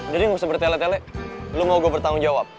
jadi gak usah bertele tele lo mau gue bertanggung jawab